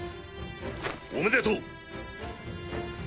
おめでとう。